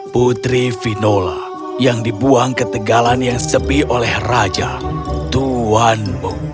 putri vinola yang dibuang ke tegalan yang sepi oleh raja tuanmu